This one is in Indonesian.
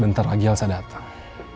bentar lagi elsa datang